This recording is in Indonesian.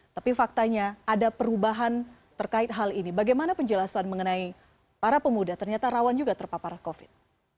tapi faktanya ada perubahan terkait hal ini bagaimana penjelasan mengenai para pemuda ternyata rawan juga terpapar covid